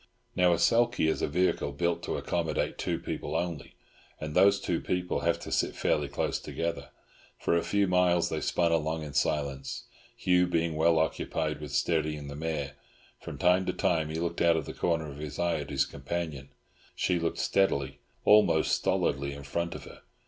Now, a sulky is a vehicle built to accommodate two people only, and those two people have to sit fairly close together. For a few miles they spun along in silence, Hugh being well occupied with steadying the mare. From time to time he looked out of the corner of his eye at his companion; she looked steadily, almost stolidly, in front of her.